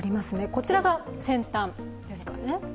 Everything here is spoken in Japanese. こちらが先端ですかね。